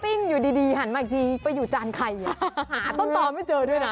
วิ่งอยู่ดีหันมาอีกทีไปอยู่จานไข่หาต้นตอไม่เจอด้วยนะ